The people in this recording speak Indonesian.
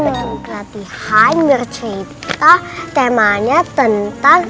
betul latihan bercerita temanya tentang